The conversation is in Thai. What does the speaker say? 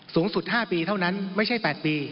สูงสุด๕ปีเท่านั้นไม่ใช่๘ปี